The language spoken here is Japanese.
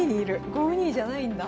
５二じゃないんだ。